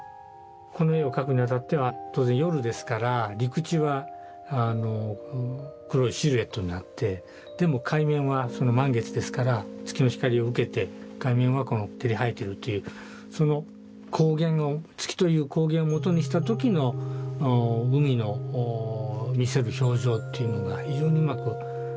この絵を描くにあたっては当然夜ですから陸地は黒いシルエットになってでも海面は満月ですから月の光を受けて海面はこの照り映えてるというその光源を月という光源を元にした時の海の見せる表情というのが非常にうまく捉えられてると言っていいと思います。